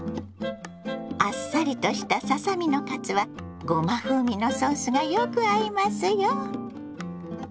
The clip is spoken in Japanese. あっさりとしたささ身のカツはごま風味のソースがよく合いますよ。